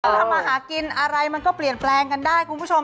ทำมาหากินอะไรมันก็เปลี่ยนแปลงกันได้คุณผู้ชม